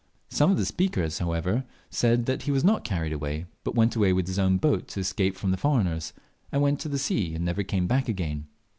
Some of the speakers, however, said that he was not carried away, but went away in his own boat to escape from the foreigners, and went to the sea and never came back again.